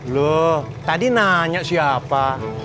loh tadi nanya siapa